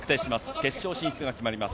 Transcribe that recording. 決勝進出が決まります。